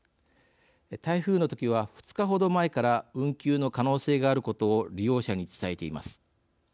台風の時は２日程前から運休の可能性があることを利用者に伝えています。